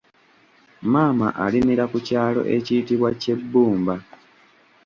Maama alimira ku kyalo ekiyitibwa Kyebbumba.